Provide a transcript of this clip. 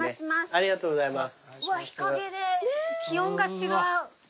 ありがとうございます。